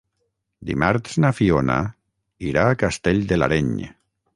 Dimarts na Fiona irà a Castell de l'Areny.